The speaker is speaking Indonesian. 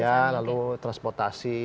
ya lalu transportasi